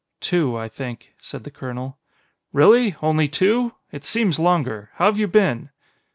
"Two, I think," said the colonel. "Really? Only two? It seems longer. How've you been?"